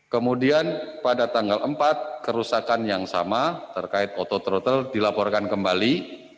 kemudian pada tanggal empat kerusakan yang sama terkait autothrottle dilaporkan kembali